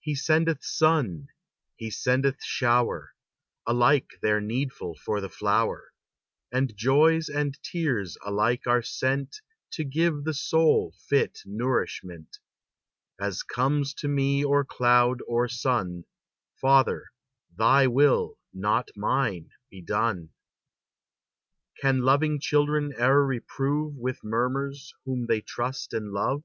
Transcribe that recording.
He sendeth sun, he sendeth shower, Alike they're needful for the flower; And joys and tears alike are sent To give the soul fit nourishment: As comes to me or cloud or sun, Father, thy will, not mine, be done! Can loving children e'er reprove With murmurs whom they trust and love?